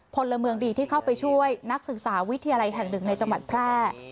พลเมืองดีที่เข้าไปช่วยนักศึกษาวิทยาลัยแห่งหนึ่งในจังหวัดแพร่